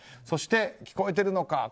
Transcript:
そして聞こえてるのか？